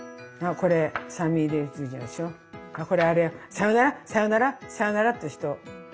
これあれよさよならさよならさよならって言う人。